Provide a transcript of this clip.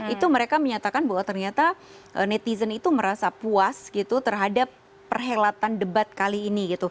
itu mereka menyatakan bahwa ternyata netizen itu merasa puas gitu terhadap perhelatan debat kali ini gitu